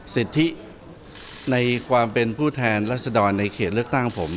สิทธิในความเป็นผู้แทนรัศดรในเขตเลือกตั้งผม